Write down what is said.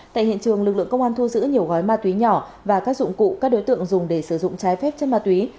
tại hiện trường lực lượng công an thu giữ nhiều gói ma túy nhỏ và các dụng cụ các đối tượng dùng để sử dụng trái phép chất ma túy